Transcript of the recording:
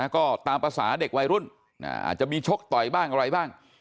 ก็ตามภาษาเด็กวัยรุ่นอาจจะมีชกต่อยบ้างอะไรบ้าง